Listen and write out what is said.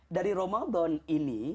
dari ramadan ini